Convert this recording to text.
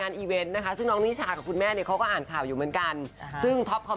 แล้วนางเอกนอนเนี่ยก็คือแบบว่า